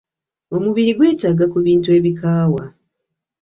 omubiri gwetaaga ku bintu ebikaawa.